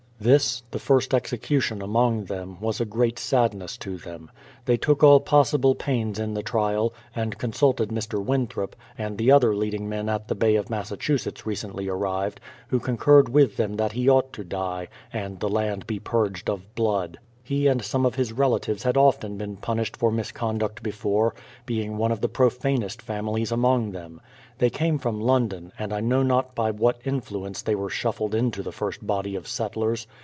This, the first execution among them, was a great sad ness to them. They took all possible pains in the trial, and consulted Mr. Winthrop, and the other leading men at the Bay of Massachusetts recently arrived, who con curred with them that he ought to die, and the land be purged of blood. He and some of his relatives had often been punished for misconduct before, being one of the profanest families among them. They came from London, and I know not by what influence they were shuffled into the first body of settlers.